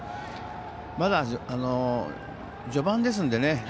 まだ序盤ですのでね。